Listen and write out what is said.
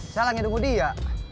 saya lagi nunggu dia